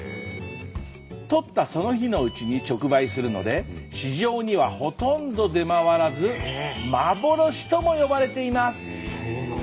とったその日のうちに直売するので市場にはほとんど出回らず幻とも呼ばれています！